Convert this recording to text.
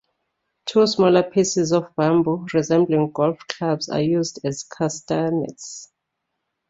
Two smaller pieces of bamboo resembling golf clubs are used as Castanets.